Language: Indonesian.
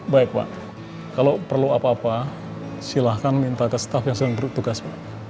baik pak kalau perlu apa apa silahkan minta ke staff yang sedang bertugas pak